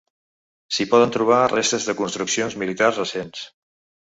S'hi poden trobar restes de construccions militars recents.